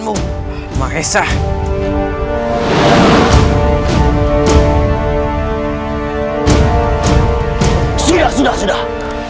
sudah sudah sudah